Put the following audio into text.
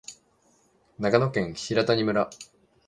長野県平谷村